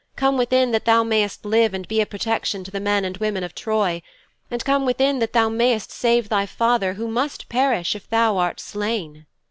Come within that thou mayst live and be a protection to the men and women of Troy. And come within that thou mayst save thy father who must perish if thou art slain."'